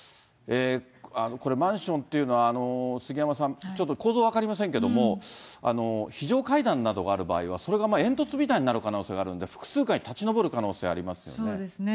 これ、マンションっていうのは、杉山さん、ちょっと構造は分かりませんけども、非常階段などがある場合は、それが煙突みたいになる可能性があるので複数階に立ち上る可能性そうですね。